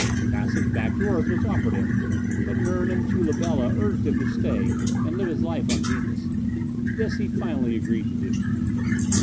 Passage back to earth was offered him, but Nern and Tula Bela urged him to say and live his life on Venus. This he finally agreed to do.